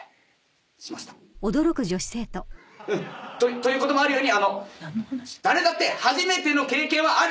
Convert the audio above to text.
「ということもあるように誰だって初めての経験はある」